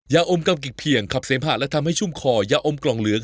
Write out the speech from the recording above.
ยาอมกำกิกเพียงขับเสมหะและทำให้ชุ่มคอยาอมกล่องเหลือง